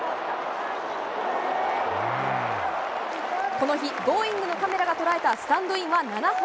この日、Ｇｏｉｎｇ！のカメラが捉えたスタンドインは７本。